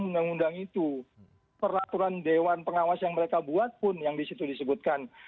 undang undang itu peraturan dewan pengawas yang mereka buat pun yang disitu disebutkan